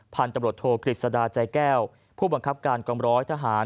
พันธุ์ตำรวจโทกฤษดาใจแก้วผู้บังคับการกองร้อยทหาร